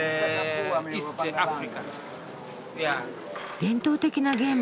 伝統的なゲームか。